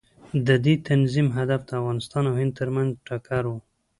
د دې تنظیم هدف د افغانستان او هند ترمنځ ټکر و.